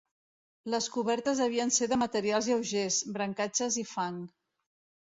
Les cobertes devien ser de materials lleugers: brancatges i fang.